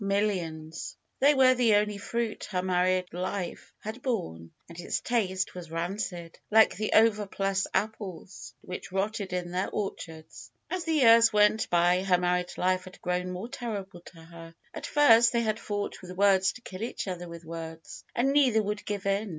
Millions ! They were the only fruit her mar ried life had borne, and its taste was rancid, like the overplus apples which rotted in their orchards. As the years went by her married life had grown more terrible to her. At first they had fought with words to kill each other with words, and neither would give in.